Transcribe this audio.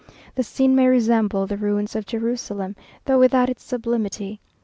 The scene may resemble the ruins of Jerusalem, though without its sublimity.